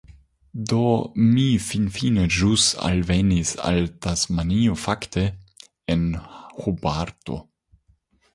Do, mi finfine ĵus alvenis al Tasmanio fakte, en Hobarto.